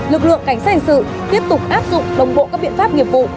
lực lượng cảnh sát hình sự tiếp tục áp dụng đồng bộ các biện pháp nghiệp vụ